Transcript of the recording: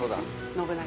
信長。